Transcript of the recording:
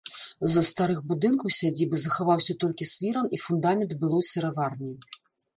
З старых будынкаў сядзібы захаваўся толькі свіран і фундамент былой сыраварні.